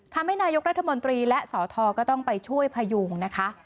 ทำให้นายกรัฐมนตรีและสอทก็ต้องไปช่วยพยุงนะคะ